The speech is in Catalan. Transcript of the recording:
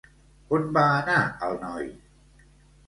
On va anar el noi?